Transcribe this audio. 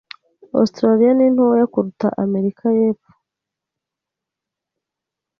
Australiya ni ntoya kuruta Amerika yepfo. (odiernod)